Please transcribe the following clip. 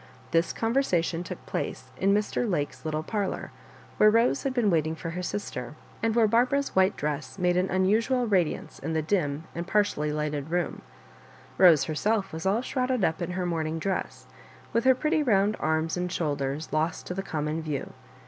This conversation took place in Mr. Lake s little parlour, where Rose had been waiting for Digitized by VjOOQIC MISS MABJOBIBANKS. 45 her sister, and where Barbara*s white dress made an unusual radiance in the dim and par tially lighted room. Bose herself was all shrouded up in her morning dress, with her pretty round arms and shoulders lost to the com mon view.